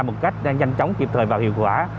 một cách nhanh chóng kịp thời và hiệu quả